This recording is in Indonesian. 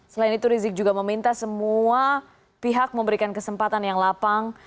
selain itu rizik juga meminta semua pihak memberikan kesempatan yang lapang